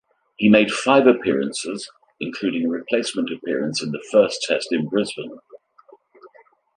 He made five appearances, including a replacement appearance in the first Test in Brisbane.